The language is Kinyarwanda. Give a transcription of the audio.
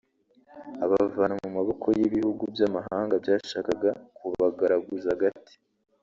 abavana mu maboko y’ibihugu by’amahanga byashakaga kubagaraguza agati